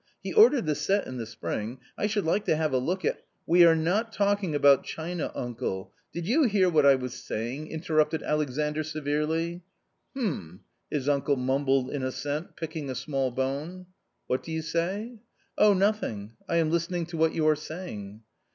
He ordered the set in the spring; I should like to have a look at "" We are not talking about china, uncle ; did you hear what I was saying ?" interrupted Alexandr severely. " Hm !" his uncle mumbled in assent, picking a small bone. " What do you say ?"" Oh nothing. I am listening to what you are saying."